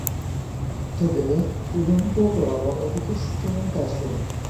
তবে উলম্ব বরাবর অভিকর্ষ ত্বরণ কাজ করে।